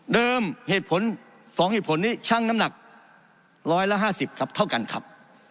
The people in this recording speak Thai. เดิมเฉธฯ๒เหตุผลช่างน้ำหนัก๑๕๐ครับเท่ากันครับ